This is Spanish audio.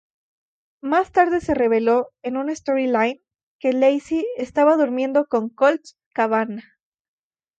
Más tarde se reveló en un storyline que Lacey estaba durmiendo con Colt Cabana.